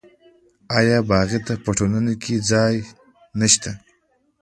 آیا باغي ته په ټولنه کې ځای نشته؟